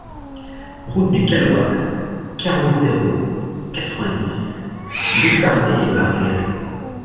Route du Caloy, quarante, zéro quatre-vingt-dix Lucbardez-et-Bargues